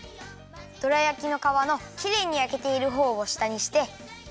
どら焼きのかわのきれいにやけているほうをしたにして。